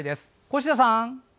越田さん。